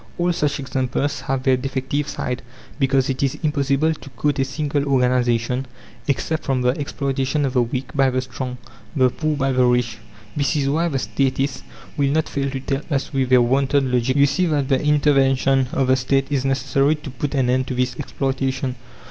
All such examples have their defective side, because it is impossible to quote a single organization exempt from the exploitation of the weak by the strong, the poor by the rich. This is why the Statists will not fail to tell us with their wonted logic: "You see that the intervention of the State is necessary to put an end to this exploitation!"